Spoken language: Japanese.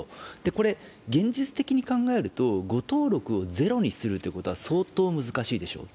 これ現実的に考えると誤登録をゼロにするというのは相当、難しいでしょう。